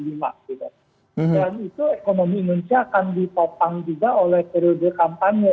dan itu ekonomi indonesia akan ditopang juga oleh periode kampanye ya